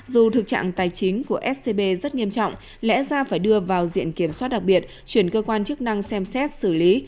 dù thực trạng tài chính của scb rất nghiêm trọng lẽ ra phải đưa vào diện kiểm soát đặc biệt chuyển cơ quan chức năng xem xét xử lý